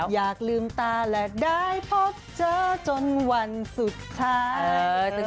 อยากลืมตาและได้พบเจอจนวันสุดท้าย